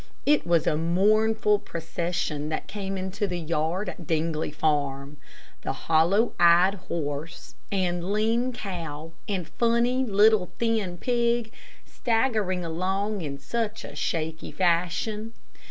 It was a mournful procession that came into the yard at Dingley Farm. The hollow eyed horse, and lean cow, and funny, little thin pig, staggering along in such a shaky fashion.